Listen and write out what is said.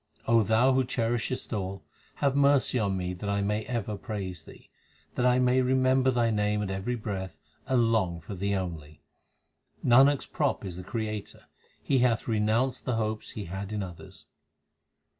Thou who cherishest all, have mercy on me that I may ever praise Thee ; That I may remember Thy name at every breath and long for Thee only. Nanak s prop is the Creator ; he hath renounced the hopes he had in others.